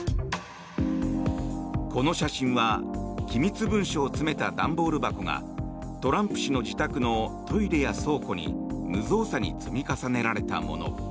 この写真は機密文書を詰めた段ボール箱がトランプ氏の自宅のトイレや倉庫に無造作に積み重ねられたもの。